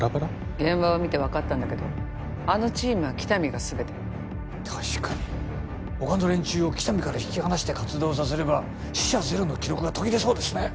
現場を見て分かったんだけどあのチームは喜多見がすべて確かに他の連中を喜多見から引き離して活動させれば死者ゼロの記録が途切れそうですね